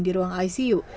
di ruang icu